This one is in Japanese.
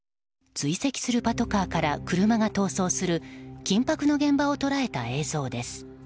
追跡するパトカーから車が逃走する緊迫の現場を捉えた映像です。